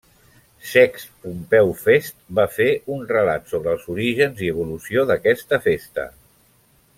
Sext Pompeu Fest va fer un relat sobre els orígens i evolució d'aquesta festa.